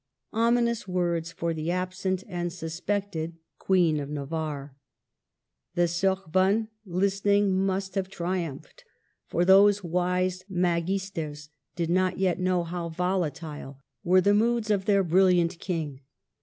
Ominous words for the absent and suspected Queen of Navarre. The Sorbonne, listenmg, must have triumphed ; for those wise magisters did not yet know how volatile were the moods 152 MARGARET OF ANGOULEME. of their brilliant King.